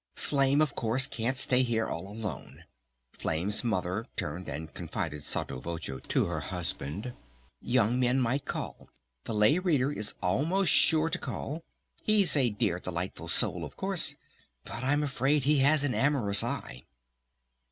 "Flame, of course, can't stay here all alone. Flame's Mother turned and confided sotto voce to her husband. Young men might call. The Lay Reader is almost sure to call.... He's a dear delightful soul of course, but I'm afraid he has an amorous eye."